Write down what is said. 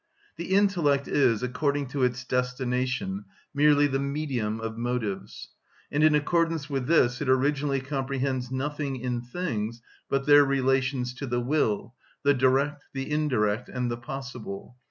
The intellect is, according to its destination, merely the medium of motives; and in accordance with this it originally comprehends nothing in things but their relations to the will, the direct, the indirect, and the possible.